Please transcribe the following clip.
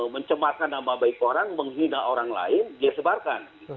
mencemarkan nama baik orang menghina orang lain dia sebarkan